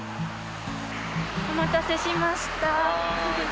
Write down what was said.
お待たせしました。